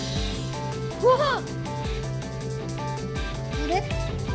あれ？